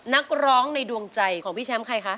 นักร้องในดวงใจของพี่แชมป์ใครคะ